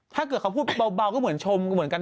ถ้าเกิดเขาพูดเบาก็เหมือนชมก็เหมือนกัน